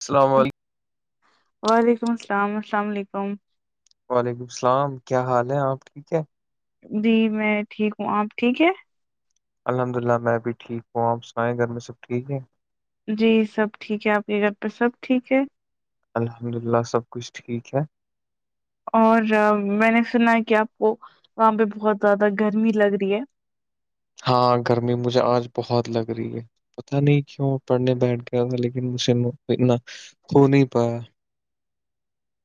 السلام علیکم وعلیکم السلام السلام علیکم وعلیکم السلام کیا حال ہے آپ ٹھیک ہے جی میں ٹھیک ہوں آپ ٹھیک ہے الحمد للہ میں بھیھی ٹھیک ہوں آپ سنائیں گھر میں سب ٹھیک ہے جی سب ٹھیک ہے آپ کے گھر پہ سب ٹھیک ہے الحمد للہ سب کچھ ٹھیک ہے اور میں نے سنا ہے کہ آپ کو وہاں پہ بہت زیادہ گرمی لگ رہی ہے ہاں گرمی مجھے آج بہت لگ رہی ہے پتا نہیں کیوں پڑھنے بیٹھ گیا تھا لیکن مجھ سے اتنا کو نہیں پایا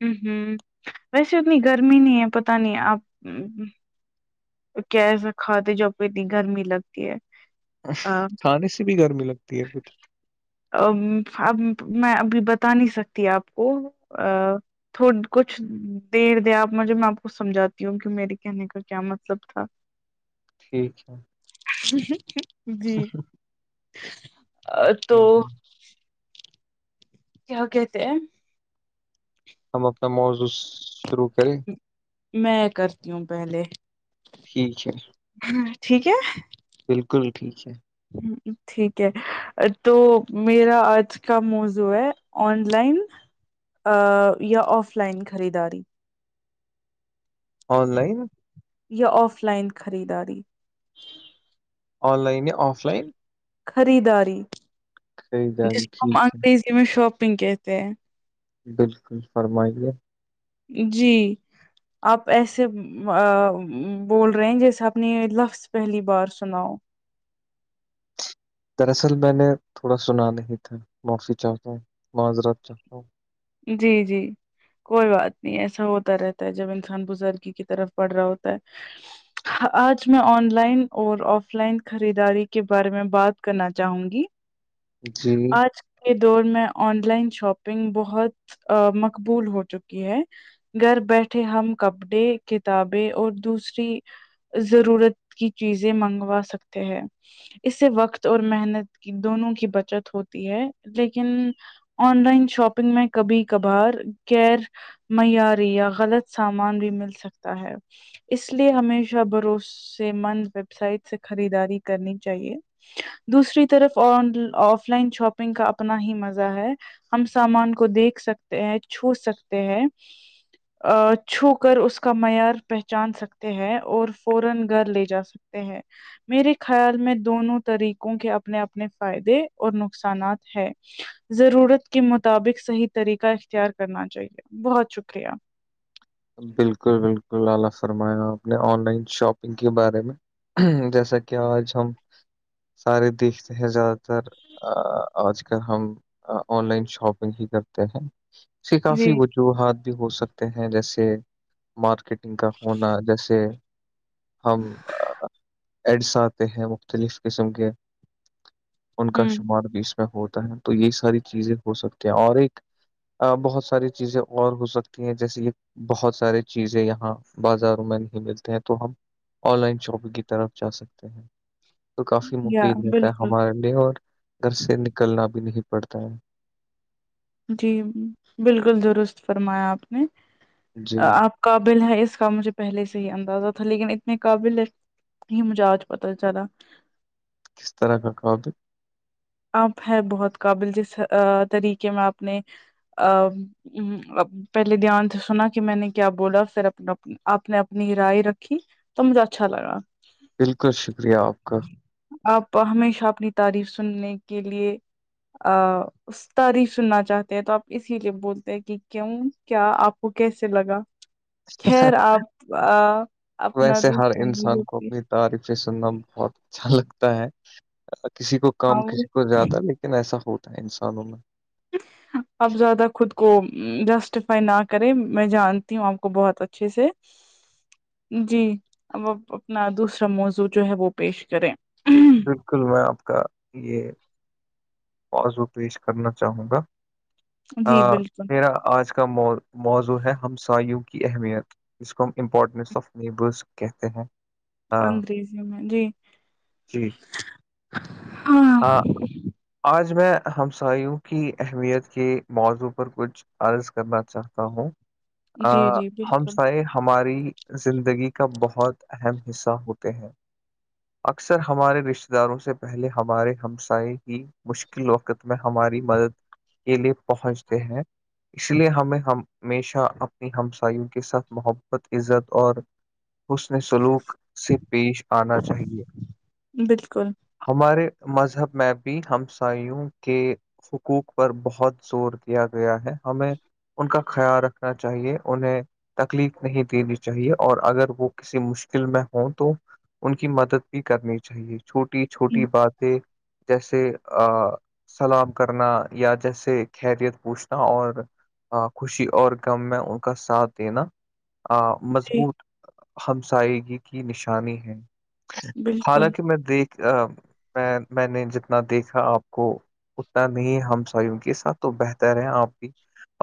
ہ ہ ویسے اتنی گرمی نہیں ہے پت نہیں آپ کیسا کھاتے ہیں ج پہ اتنی گرمی لگتی ہے آ، کھانے سے بھی گرمی لگتی ہے کچھ ا اب میں ابھی بتا نہیں سکتی آپ کو تھ کچھ دیر د آپ مجھے میں آپ کو سمجاتی ہوں کہ میرے کہنے کا کیا متل سب تھا ٹھیک ہے جی تو ہم کیا کہتے ہیں ہم اپنا موضوع شروع کریں میں کرتی ہوں پہلے ٹھیک ہے ٹھیک ہے بالکل ٹھیک ہے ہ ٹھیک ہے تو میرا آج کا منز جو ہے آن لائن یا آف لائن خریداری آن لائن یا آف لائن خریداری آن لائن آف لائن خریداری خریداری جس کو ہم ٹھیک ہے انگریزی میں شاپنگ کہتے ہیں بالکل فرمائیے جی آپ ایسے بول رہے جیسے اپنے لفظ پہلی بار سناؤ دراصل میں نے تھوڑا سنا نہیں تھا معافی چاہتا ہوں معذرات چاہتا ہوں جی جی کوئی بات نہیں ایسا ہوتا رہتا ہے جب انسان بزرگی کی طرف پڑ رہا ہوتا ہے آج میں آن لائن اور آف لائن خریداری کے بارے میں بات کرنا چاہوں گی جی آج کے دور میں آن لائن شاپنگ بہت ا مقبول ہو چکی ہے گھر بیٹھے ہم کپڑے کتابیں اور دوسری ضرورت کی چیزیں منگوا سکتے ہیں اس سے وقت اور محنت کی دونوں کی بچت ہوتی ہے لیکن آن لائن شاپنگ میں کبھی کبھار غیر معیاری یا غلط سامان بھی مل سکتا ہے اس لیے ہمیشہ بھروسے مند ویب سائٹ سے خریداری کرنی چاہیے دوسری طرف آ آف لائن شاپنگ کا اپنا ہی مزہ ہے ہم سامان کو دیکھ سکتے ہیں چھو سکتے ہیں ا چھو کر اس کا معیار پہچان سکتے ہیں اور فورا گھر لے جا سک لتے ہیں میرے خیال میں دونوں طریقوں کے اپنے اپنے فائدے اور نقصانات ہیں ضرورت کے مطابق صحیح طریقہ اختیار کرنا چاہیے بہت شکریہ بالکل بالکل اعلی فرمایا آپ نے آن لائن شاپنگ کے بارے میں جیسا کہ آج ہم سارے دیکھتے ہیں زیادہ تر آج کل ہم آن لائن شاپنگ ہی کرتے ہیں سے کافی جی وجوہات بھی ہو سکتے ہیں جیسے مارکیٹنگ کا ہونا جیسے ہم ایڈس آتے ہیں مختلف قسم کے ان کا ہوں شمار بھی اس میں ہوتا ہے تو یہی ساری چیزیں ہو سکتی ہیں اور ایک بہت ساری چیزیں اور ہو سکتی ہیں جیسے یہ بہت سارے چیزیں یہاں بازاروں میں نہیں ملتے ہیں تو ہم آن لائن شاپنگ کی طرف ج سکتے ہیں [inaudible] تو کافی یا مفید رہتا ہے بالکل ہمارے لیے اور گھر سے نکلنا بھی نہیں پڑتا ہے جی بالکل درست فرمایا آپ نے جی آپ قابل ہے اس کا مجھے پہلے سے ہی اندازہ تھا لیکن اتنے قابل ہے ہی مزاج پتا چا کس طرح کا قابل آپ ہیں بہت قابل جس طریقے میں آپ نے پہلے دھیان سے سنا کہ میں نے کیا بولا پھر اپنا اپپ نے اپنی رائے رکھی تو مجھے اچھا لگا بالکل شکریہ آپ کا آپ ہمیشہ اپنی تعریف سننے کے لیے آ اسر ہی سننا چاہتے ہیں تو آپ اسی لیے بولتے ہیں کہ کیوں کیا آپ کو کیسے لگا خیر آپ اپنا دھ مگے پ تعریف سے سننا بہت اچھا لگتا ہے کسی کو کم کسی کو زیادہ ل ن ایسا ہوتا ہے انسانوں میں ہاں [unintelligible] آپ زیادہ خود کو جسٹیفائی نہ کریں میں جانتی ہوں آپ کو بہت اچھے سے جی [inaudible] جی اب اب اپنا دوسرا موضوع جو ہے وہ پیش کریں بالکل میں آپ کا یہ [unintelligible] مضو پیش کرنا چاہوں گا جی بالکل میرا آج کاو موضوع ہے ہمسایوں کی اہمیت ج کو ہم امپورٹنس آف نیبرس کہتے ہیں [unintelligible] ہاں انگریزی میں جی ہاں ہاں آج میں ہمسایوں کی اہمیت کے موضوع پر کچھ عارض کرنا چاہتا ہوں ا جی جی ہم بالکل ساہ ہماری زندگی کا بہت اہم حصہ ہوتے ہیں اکثر ہمارے رشتتے داروں سے پہلے ہمارے ہمسائے ہی مشکل وقت میں ہماری مدد کے لیے پہنچتے ہیں اس لیے ہمیں ہمیشہ اپنی ہمساوں کے ساتھ محبت عزت اور اس نے سلوک سے پیش آنا چاہیے بالکل ہمارے مذہب میں بھی ہمساوں کے حقوق پر بہت زور کیا گیا ہے ہمیں ان کا خیال رکھنا چاہیے انہیں تکلیف نہیں دینی چاہیے اور اگر وہ کسی مشکل میں ہوں تو ان کی مدد بھی کرنی چاہیے چھوٹی چھوٹی بات جیسے سلام کرنا یا جیسے خیریت پوچھنا اور خوشی اور کم میں ان کا ساتھ دینا آ جی مضبوط ہمساگی کی نشانی ہے بالکل حالانکہ میں دیکھ میں میں نے جتنا دیکھا آپ کو اتنا نہیں ہمس کے ساتھ تو بہتر ہے آپ بھی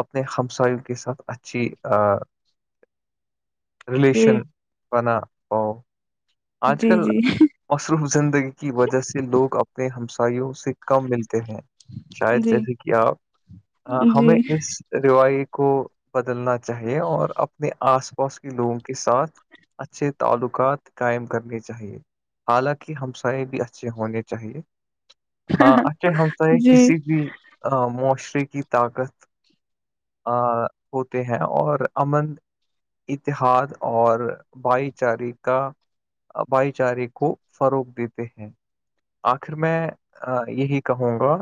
اپنے ہمساوں کے ساتھ اچھی ا [inaudible] [inaudible] جی ریلیشن بنا پاؤ آج جی کل جی مصروف زندگی کی وجہ سے لوگ اپنے ہمسایوں سے کم ملتے ہیں شاید جی جیسے کہ آپ ہمیں جی اس روای کو بدلنا چاہیے اور اپنے آس پاس کے لوگوں کے ساتھ اچھے تعلقات قائم کرنی چاہیے حالانکہ ہمسائے بھی اچھے ہونے چاہیے ہ اچھے ہمسائے جی کسی بھی معاشرے کی طاقت ا ہوتے ہیں اور امن اتحاد اور بھائی چارے کا بھائی چارے کو فروغ دیتے ہیں آخر میں یہی کہوں گا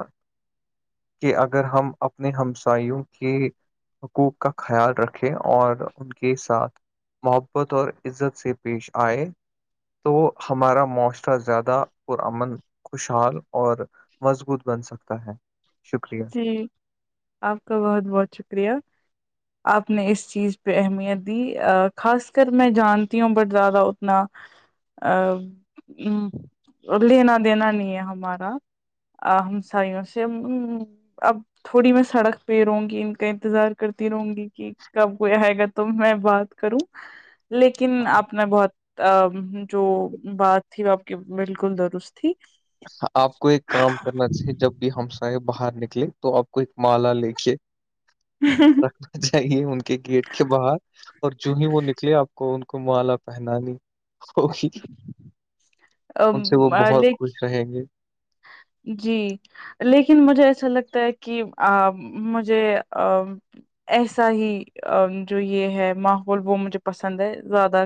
کہ اگر ہم اپنے ہمساوں کے حقوق کا خیال رکھے اور ان کے ساتھ محبت اور عزت سے پیش آئے تو ہمارا معاشرہ زیادہ پرامن خوشحال اور مضبوط بن سکتا ہے شکریہ ج آپ کا بہت بہت شکریہ آپ نے اس چیز پہ اہمیت دی خاص کر میں جانتی ہوں بٹ زیادہ اتنا ا لینا دینا نہیں ہے ہمارا ا ہم سائ ن سے اب تھوڑی میں سڑک پہ رہوں گی ان کا انتظار کرتی رہوں گی کہ کب کوئی آئے گا تو میں بات کروں لیکن آپ نے بہت ا جو بات تھی وہ آپ کی بالکل درست تھی آپ کو ایک کام کرنا چاہیے جب بھی ہم ساہ باہر نکلے تو آپ کو ایک مالا لے کے ہ چاہے ان کے گیٹ کے باہر اور جووں ہی وہ نکلے آپ کو ان کو مالا پہنانی ان سے وہ بہت لیکن خوش رہیں گے جی لیکن مجھے ایسا لگتا ہے کہ مجھے ا ایسا ہی جو یہ ہے ماحول وہ مجھے پسند ہے زیادہ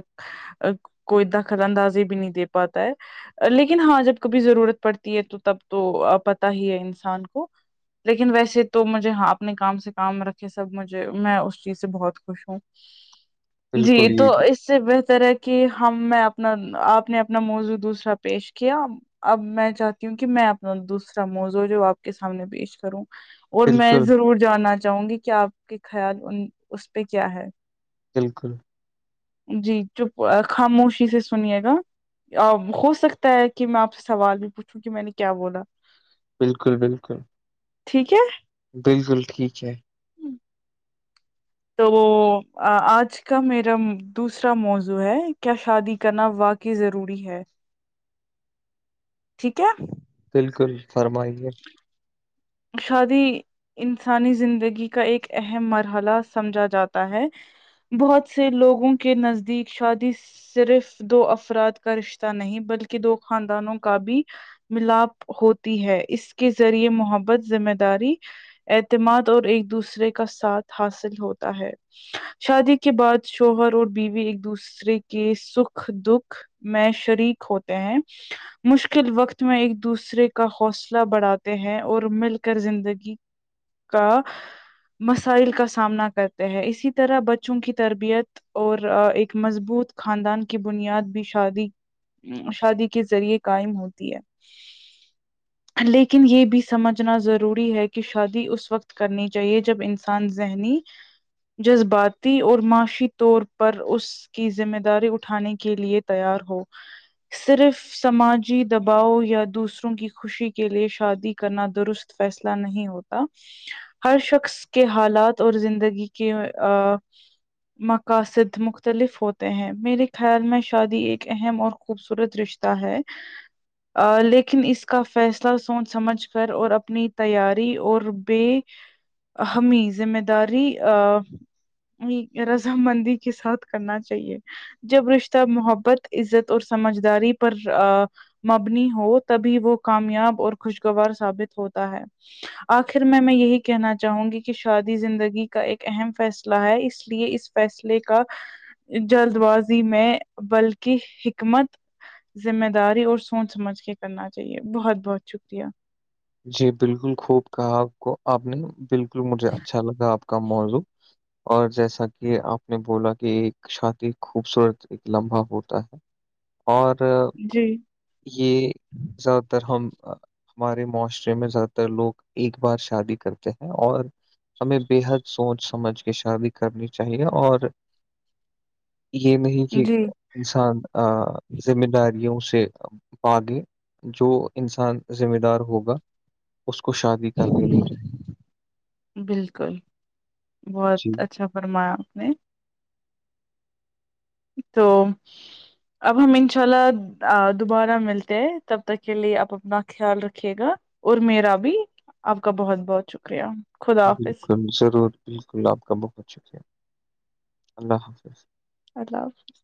کوئی ا دخطر اندازی بھی نہیں دے پاتا ہے لیکن ہاں جب کبھی ضرورت پڑتی تو تب تو پتا ہی ہے انسان کو لیکن ویسے تو مجھے ہاں اپنے کام سے کام رکھے سب مجھے میں اس چیز سے بہت خوش ہوں جی بالکل یہ تو بھی اس س سے بہتر ہے کہ ہم میں اپنا آپ نے اپنا موضوع دوسرا پیش کیا اب میں چاہ کیونکہ میں اپنا دوسرا موزو جو آپ کے سامنے پیش کروں اور میں بالکل ضرور جاننا چاہوں گی کہ آپ کے خیال ان اس پہ کیا ہے بالکل جی چپ خاموشی سے سنیے گا ہو سکتا ہے کہ میں آپ سے سوال بھی پوچھوں کہ میں نے کیا بولا بالکل بالکل ٹھیک ہے بالکل ٹھیک ہے تو آج کا میرا دوسرا موضوع ہے کیا شادی کرنا وقع کہ ضروری ہے ٹھیک ہے بالکل فرمائیے شادی انسانی زندگی کا ایک اہم مرحلہ سمجھا جاتا ہے بہت سے لوگوں کے نزدیک شادی صرف دو افراد کا رشتہ نہیں بلکہ دو خاندانوں کا بھی ملاپ ہوتی ہے اس کے ذریعے محبت ذمہ داری اعتماد اور ایک دوسرے کا ساتھ حاصل ہوتا ہے شادی کے بعد شوہر اور بیوی ایک دوسرے کے سکھ دکھ میں شریک ہوتے ہیں مشکل وقت میں ایک دوسرے کا حوصلہ بڑھاتے ہیں اور مل زندگی کا مسائل کا سامنا کرتے ہیں اسی طرح بچوں کی تربیت اور ایک مضبوط خاندان کی بنیاد بھی شادی شادی کے ذریعے قائم ہوتی ہے لیکن یہ بھی سمجھ نا ضروری ہے کہ شادی اس وقت کرنی چاہیے جب انسان ذہنی جذباتی اور معاشی طور پر اس کی ذمہ داری اٹھانے کے لیے تیار ہو صرف سماجی دباؤ یا دوسروں کی خوشی کے لیے شادی کرنا درست فیصلہ نہیں ہوتا ہر شخص کے حالات اور زندگی کے مقاصد مختلف ہوتے ہیں میرے خیال میں شادی ایک اہم اور خوبصورت رشتے ہے لیکن اس کا فیصلہ سوچ سمجھ کر اور اپنی تیاری اور بے ہممی ذمہ داری رض مندی کے ساتھ کرنا چاہیے جب رشتہ محبت عزت اور سمجھداری پر مبنی ہو تبھی وہ کامیاب اور خوشگوار ثابت ہوتا ہے آخر میں میں یہی کہنا چاہوں گی کہ شادی زندگی کا ایک اہم فیصلہ ہے اس لیے اس فیصلے کا جلد بازی میں بلکہ حکمت ذمہ داری اور سوچ سمجھ کے کرنا چاہیے بہت بہت شکریہ جی بالکل خوب کہا آپ کو آپ نے بالکل مجھے اچھا لگا آپ کا موضوع اور جیسا کہ آپ نے بولا کہ ایک شادی خوبصورت ایک لمحا ہوتا ہے [unintelligible] اور جی یہ زیادہ تر ہم ہمارے مو میں زیادہ تر لوگ ایک بار شادی کرتے ہیں اور ہمیں بے حد سوچ سمجھ کے شادی کرنی چاہیے اور یہ نہیں جی انسان ذمہ داریوں سے پاگے جو انسان ذمہ دار ہوگا اس کو شادی کر لینی چاہیے بالکل جی بہت اچھا فرمایا آپ نے تو اب ہم انشاء اللہ دوبارہ ملتے ہیں تب تک کے لیے آپ اپنا خیال رکھیے گا اور میرا بھی آپ کا بہت بہت شکریہ خدا حافظ بالکل ضرور بالکل آپ کا بہت شکریہ اللہ حافظ اللہ حفظ